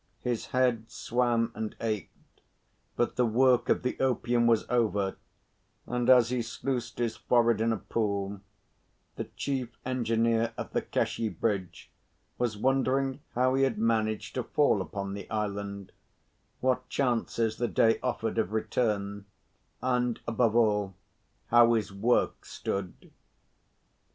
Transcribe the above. His bead swam and ached, but the work of the opium was over, and, as he sluiced his forehead in a pool, the Chief Engineer of the Kashi Bridge was wondering how he had managed to fall upon the island, what chances the day offered of return, and, above all, how his work stood.